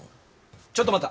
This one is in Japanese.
ちょっと待った。